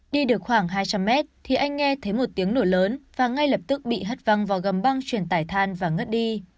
đi được khoảng hai trăm linh mét thì anh nghe thấy một tiếng nổ lớn và ngay lập tức bị hất văng vào gầm băng truyền tải than và ngất đi